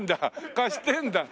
貸してるんだ？